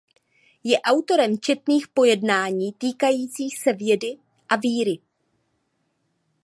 Je autorem četných pojednání týkajících se vědy a víry.